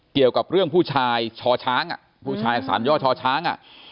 เกี่ยวกับเรื่องผู้ชายชอช้างผู้ชายสารย่อชอช้าง